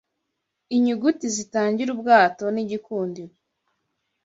Inyuguti zitangira ubwato, n’igikundiro